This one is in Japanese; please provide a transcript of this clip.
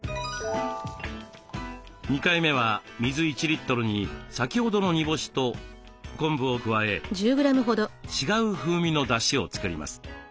２回目は水１リットルに先ほどの煮干しと昆布を加え違う風味のだしを作ります。